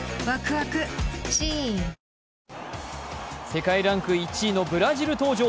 世界ランク１位のブラジル登場。